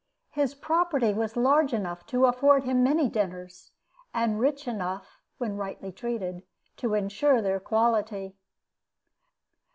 His property was large enough to afford him many dinners, and rich enough (when rightly treated) to insure their quality.